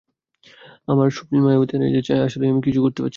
আমার স্বপ্নিল মায়াবতী হারিয়ে যাচ্ছে আসলেই আমি কিছুই করতে পারছি না।